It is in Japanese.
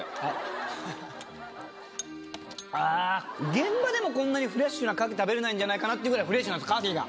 現場でもこんなにフレッシュな牡蠣食べれないんじゃないかなっていうぐらいフレッシュなんです牡蠣が。